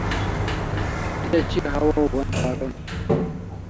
Te chi'r hawaw goi'n paron